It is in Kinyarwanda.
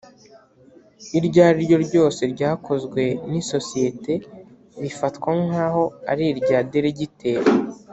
iryo ari ryo ryose ryakozwe n’ isosiyete rifatwa nk’ aho ari irya diregiteri